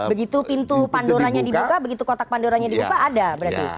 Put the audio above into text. begitu pintu pandoranya dibuka begitu kotak pandoranya dibuka ada berarti